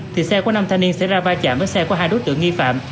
thì xe của năm thanh niên sẽ ra va chạm với xe của hai đối tượng nghi phạm